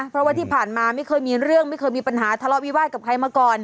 เพราะว่าที่ผ่านมาไม่เคยมีเรื่องไม่เคยมีปัญหาทะเลาะวิวาสกับใครมาก่อน